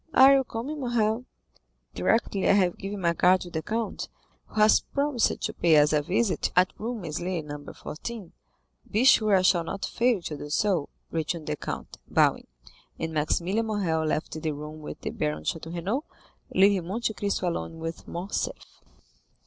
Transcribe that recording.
Are you coming, Morrel?" "Directly I have given my card to the count, who has promised to pay us a visit at Rue Meslay, No. 14." "Be sure I shall not fail to do so," returned the count, bowing. And Maximilian Morrel left the room with the Baron de Château Renaud, leaving Monte Cristo alone with Morcerf.